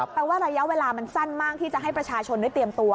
แปลว่าระยะเวลามันสั้นมากที่จะให้ประชาชนได้เตรียมตัว